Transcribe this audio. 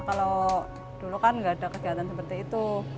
kalau dulu kan nggak ada kegiatan seperti itu